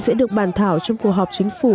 sẽ được bàn thảo trong cuộc họp chính phủ